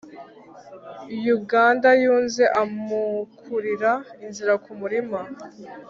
uganda, yunze amukurira inzira ku murima